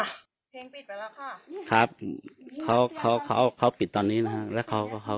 เพลงปิดไปแล้วค่ะครับเขาเขาเขาปิดตอนนี้นะฮะแล้วเขาก็เขา